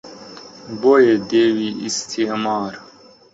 بۆیە دێوی ئیستیعمار